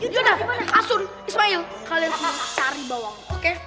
yaudah asun ismail kalian semua cari bawang oke